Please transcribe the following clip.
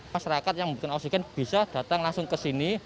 masyarakat yang membutuhkan oksigen bisa datang langsung ke sini